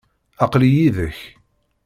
aql-i yid-k.